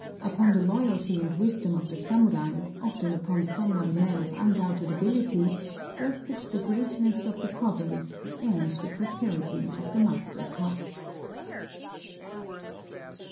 Upon the loyalty and wisdom of the samurai, often upon some one man of undoubted ability, rested the greatness of the province and the prosperity of the master's house.